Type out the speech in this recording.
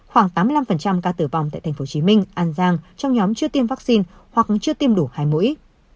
khoảng tám mươi năm ca tử vong tại tp hcm an giang trong nhóm chưa tiêm vaccine hoặc chưa tiêm đủ hai mũi